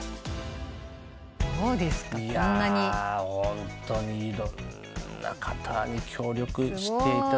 ホントにいろんな方に協力していただいて。